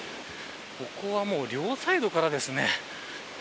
ここはもう両サイドからですね。